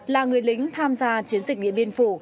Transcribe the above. là người lính tham gia chiến dịch điện biên phủ